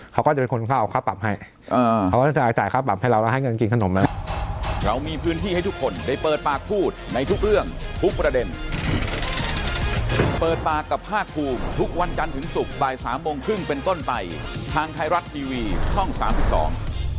เขาก็จะเป็นคนเข้าค่าปรับให้อ่าเขาก็จะจ่ายค่าปรับให้เราแล้วให้เงินกินขนมนะ